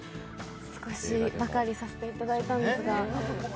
少しばかりさせていただいたんですが。